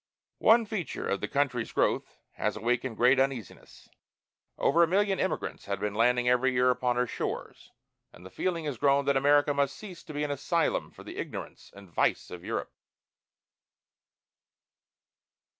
One feature of the country's growth has awakened great uneasiness. Over a million emigrants have been landing every year upon her shores, and the feeling has grown that America must cease to be an asylum for the ignorance and vice of Europe.